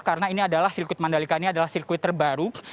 karena ini adalah sirkuit mandalika ini adalah sirkuit terbaru